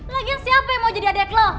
lagian siapa yang mau jadi adek lo